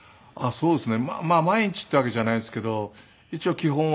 そうですね。